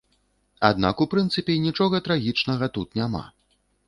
Аднак у прынцыпе нічога трагічнага тут няма.